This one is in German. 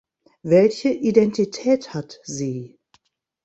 Welche Identität hat sie?